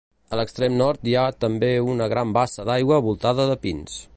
A l'extrem nord hi ha també una gran bassa d'aigua voltada de pins.